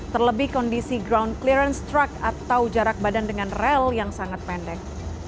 terlebih kondisi ground clearance truck atau jarak badan dengan rel yang sangat pendek